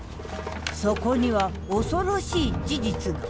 そこには恐ろしい事実が。